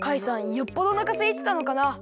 よっぽどおなかすいてたのかな。